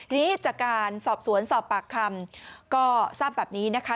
ทีนี้จากการสอบสวนสอบปากคำก็ทราบแบบนี้นะคะ